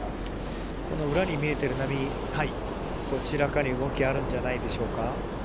裏に見えている波、どちらかに動きがあるんじゃないでしょうか。